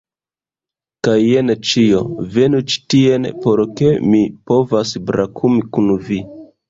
Kaj jen ĉio, venu ĉi tien, por ke mi povas brakumi kun vi